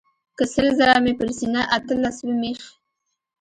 که سل ځله مې پر سینه اطلس ومیښ.